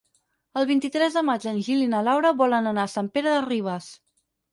El vint-i-tres de maig en Gil i na Laura volen anar a Sant Pere de Ribes.